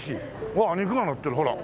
わあ肉がのってるほら。